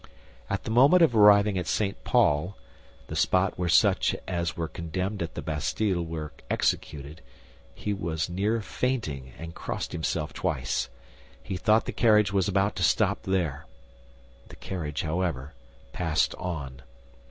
At the moment of arriving at St. Paul—the spot where such as were condemned at the Bastille were executed—he was near fainting and crossed himself twice. He thought the carriage was about to stop there. The carriage, however, passed on.